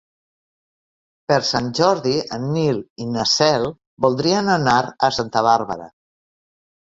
Per Sant Jordi en Nil i na Cel voldrien anar a Santa Bàrbara.